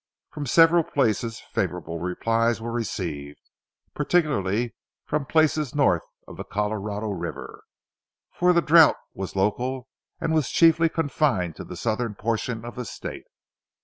From several places favorable replies were received, particularly from places north of the Colorado River; for the drouth was local and was chiefly confined to the southern portion of the state.